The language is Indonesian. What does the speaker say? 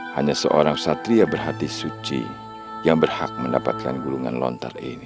hanya seorang satria berhati suci yang berhak mendapatkan gulungan lontar ini